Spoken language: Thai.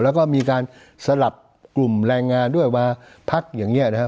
แล้วก็มีการสลับกลุ่มแรงงานด้วยมาพักอย่างนี้นะครับ